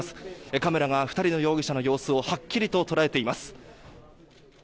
カメラが２人の容疑者の様子をはっきりと捉えています。